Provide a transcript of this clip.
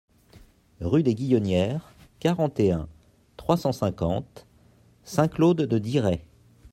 Rue des Guillonnières, quarante et un, trois cent cinquante Saint-Claude-de-Diray